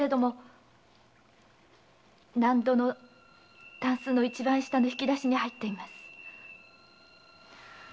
納戸の箪笥の一番下の引き出しに入っています。